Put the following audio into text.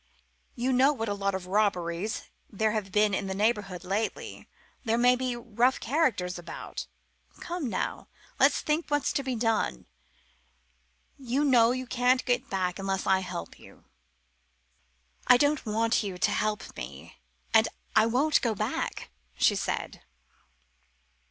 You know what a lot of robberies there have been in the neighbourhood lately; there may be rough characters about. Come now, let's think what's to be done. You know you can't get back unless I help you." "I don't want you to help me; and I won't go back," she said.